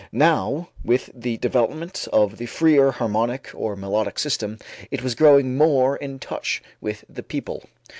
Now, with the development of the freer harmonic or melodic system, it was growing more in touch with the people.